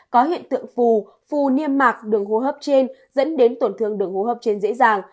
có hiện tượng phù phù niêm mạc đường hô hấp trên dẫn đến tổn thương đường hô hấp trên dễ dàng